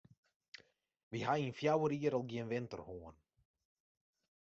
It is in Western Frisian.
Wy hawwe yn fjouwer jier al gjin winter hân.